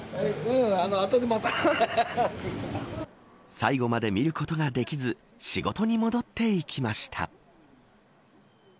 最後まで見ることができず仕事に戻っていきました。